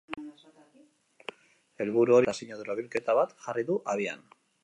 Helburu hori lortzeko asmoz, kanpaina eta sinadura bilketa bat jarri du abian.